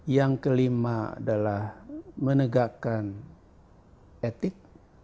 yang kelima adalah menegakkan etik